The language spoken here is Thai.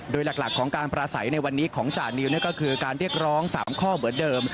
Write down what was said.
โดยหลักของการประสัยในวันนี้ของจานิวก็คือการเรียกร้อง๓ข้อเหมือนเดิม